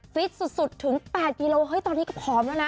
ฟิตสุดสุดถึงแปดกิโลเฮ้ยตอนนี้ก็พร้อมแล้วนะ